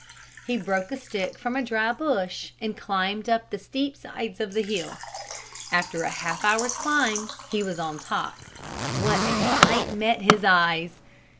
He broke a stick from a dry bush and climbed up the steep sides of the hill. After a half hour's climb he was on top. What a sight met his eyes!